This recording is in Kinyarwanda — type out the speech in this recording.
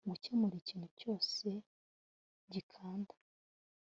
Gukemura ikintu cyose gikanda